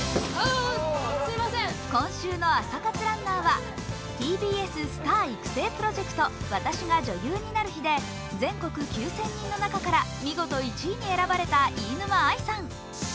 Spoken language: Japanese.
今週の朝活ランナーはＴＢＳスター育成プロジェクト、「私が女優になる日＿」で全国９０００人の中から見事１位に選ばれた飯沼愛さん。